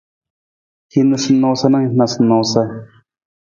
Hin noosanoosa na noosanoosa.